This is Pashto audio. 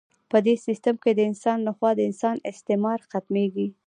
په دې سیستم کې د انسان لخوا د انسان استثمار ختمیږي.